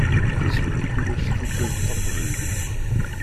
Tezwar kullec tutlayt taqbaylit.